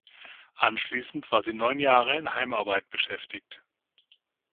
Anschließend war sie neun Jahre in Heimarbeit beschäftigt.